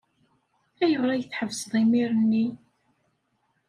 Ayɣer ay tḥebseḍ imir-nni?